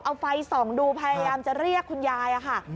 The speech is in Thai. เอาไฟส่องดูพยายามจะเรียกคุณยายค่ะ